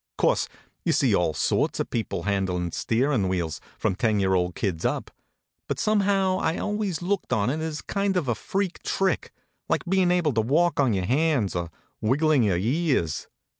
Course, you see all sorts of people handlin steerin wheels, from ten year old kids up; but somehow I ve always looked HONK, HONK! on it as kind of a freak trick, like bein able to walk on your hands, or wigglin your ears.